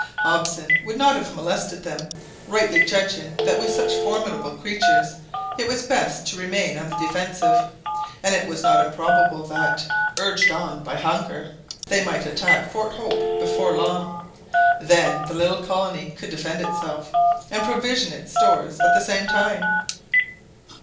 Hobson would not have them molested, rightly judging that with such formidable creatures it was best to remain on the defensive, and it was not improbable that, urged on by hunger, they might attack Fort Hope before very long. Then the little colony could defend itself, and provision its stores at the same time.